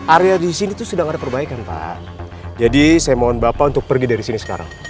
area disini tuh sedang ada perbaikan pak jadi saya mohon bapak untuk pergi dari sini sekarang